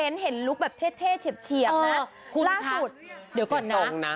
เล่นแม่แอนเสียทรงเลยนะ